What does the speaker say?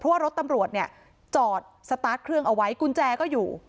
เพราะว่ารถตำรวจเนี่ยจอดสตาร์ทเครื่องเอาไว้กุญแจก็อยู่